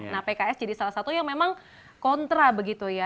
nah pks jadi salah satu yang memang kontra begitu ya